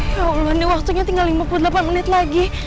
ya allah nih waktunya tinggal lima puluh delapan menit lagi